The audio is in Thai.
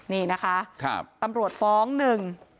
นี่นะคะตำรวจฟ้องหนึ่ง